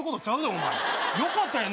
お前よかったやん